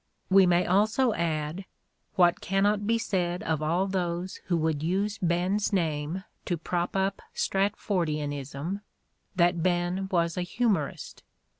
We may also add, what cannot be said of all those who would use Ben's name to prop up Stratfordianism, that Ben was a humorist.